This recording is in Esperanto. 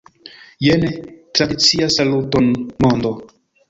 Jen tradicia Saluton, mondo!